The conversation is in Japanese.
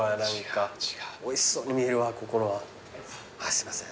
すいません。